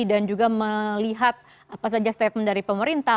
dan juga melihat apa saja statement dari pemerintah